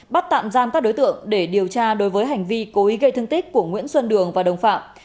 bắt tạm giam các đối tượng để điều tra đối với hành vi cố ý gây thương tích của nguyễn xuân đường và đồng phạm